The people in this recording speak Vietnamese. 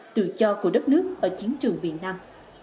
tự do của đất nước ở chiến trường miền nam